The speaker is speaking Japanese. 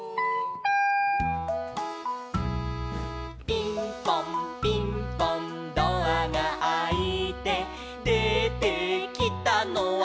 「ピンポンピンポンドアがあいて」「出てきたのは」